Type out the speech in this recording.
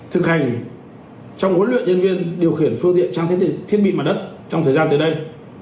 thực hành trong huấn luyện nhân viên điều khiển phương tiện trang thiết bị mặt đất trong thời gian dưới đây